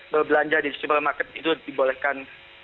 berbelanja di supermarket itu dibolehkan